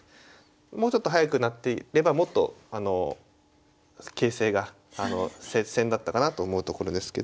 もうちょっと早く成っていればもっと形勢が接戦だったかなと思うところですけど。